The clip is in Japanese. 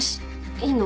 いいの？